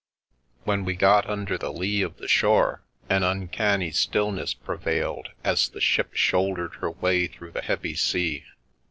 When we got under the lee of the shore an uncanny stillness prevailed as the ship shouldered her way through the heavy sea.